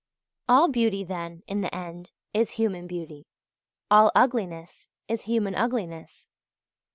All beauty, then, in the end, is human beauty, all ugliness is human ugliness.